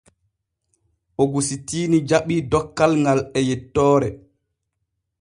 Ogusitiini jaɓii dokkal ŋal e yettoore.